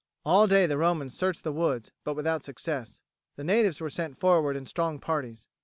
All day the Romans searched the woods, but without success. The natives were sent forward in strong parties.